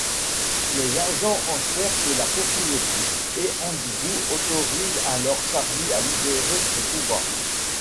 Les agents encerclent la propriété et Andrew autorise alors Charlie à libérer son pouvoir.